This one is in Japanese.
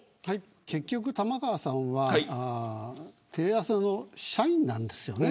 結局、玉川さんはテレ朝の社員なんですよね。